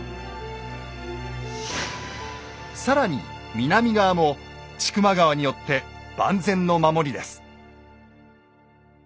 更に南側も千曲川によって万全の守りです。